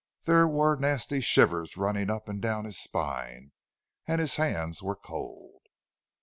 There were nasty shivers running up and down his spine, and his hands were cold.